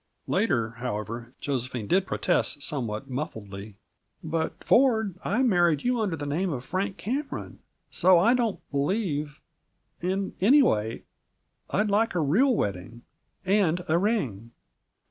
Later, however, Josephine did protest somewhat muffledly: "But, Ford, I married you under the name of Frank Cameron, so I don't believe and anyway I'd like a real wedding and a ring!"